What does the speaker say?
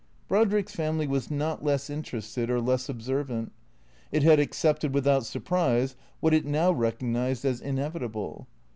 Brodrick's family was not less interested or less observant. It had accepted without surprise what it now recognized as inevitable.